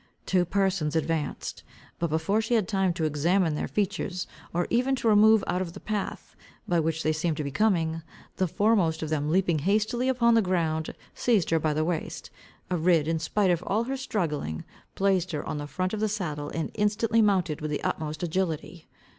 Two persons advanced. But before she had time to examine their features, or even to remove out of the path, by which they seemed to be coming, the foremost of them leaping hastily upon the ground, seized her by the waist, arid, in spite of all her struggling, placed her on the front of the saddle, and instantly mounted with the utmost agility.